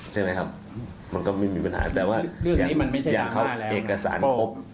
ใช่ไหมครับมันก็ไม่มีปัญหาแต่ว่าอย่างเขาเอกสารครบ